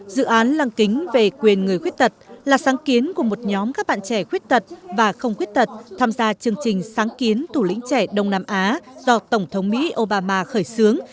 dự án lăng kính về quyền người khuyết tật là sáng kiến của một nhóm các bạn trẻ khuyết tật và không khuyết tật tham gia chương trình sáng kiến thủ lĩnh trẻ đông nam á do tổng thống mỹ obama khởi xướng